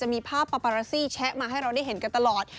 มีภาพปาปาราซี่แชะมาให้เราได้เห็นกันตลอด